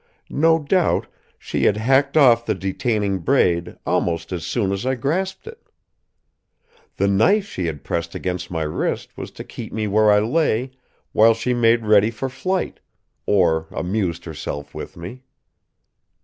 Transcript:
No doubt she had hacked off the detaining braid almost as soon as I grasped it. The knife she had pressed against my wrist to keep me where I lay while she made ready for flight; or amused herself with me.